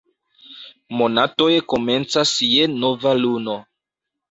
Monatoj komencas je nova luno.